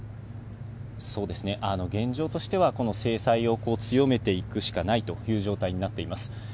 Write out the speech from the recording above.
現状としては、この制裁を強めていくしかないという状態になっています。